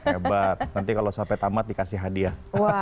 hebat nanti kalau sampai tamat dikasih hadiah